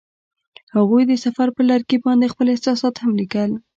هغوی د سفر پر لرګي باندې خپل احساسات هم لیکل.